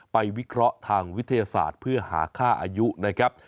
วิเคราะห์ทางวิทยาศาสตร์เพื่อหาค่าอายุนะครับ